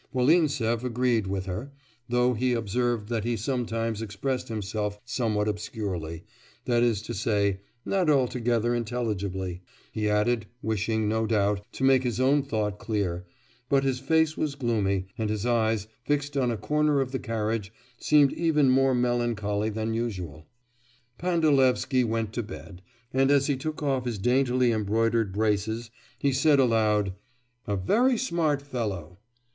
Volintsev agreed with her, though he observed that he sometimes expressed himself somewhat obscurely that is to say, not altogether intelligibly, he added, wishing, no doubt, to make his own thought clear, but his face was gloomy, and his eyes, fixed on a corner of the carriage, seemed even more melancholy than usual. Pandalevsky went to bed, and as he took off his daintily embroidered braces, he said aloud 'A very smart fellow!